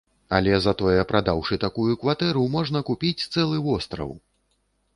Але затое, прадаўшы такую кватэру, можна купіць цэлы востраў!